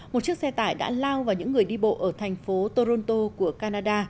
một chiếc xe tải đã lao vào những người đi bộ ở thành phố toronto của canada